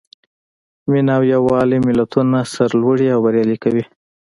مینه او یووالی ملتونه سرلوړي او بریالي کوي.